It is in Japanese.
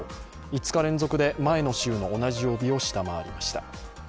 ５日連続で、前の週の同じ曜日を下回りました。